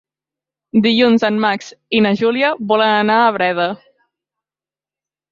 Dilluns en Max i na Júlia volen anar a Breda.